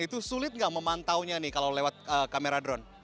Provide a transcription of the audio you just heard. itu sulit nggak memantaunya nih kalau lewat kamera drone